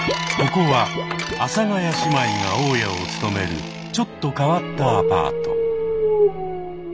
ここは阿佐ヶ谷姉妹が大家を務めるちょっと変わったアパート。